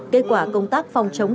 kết quả công tác phòng chống tổ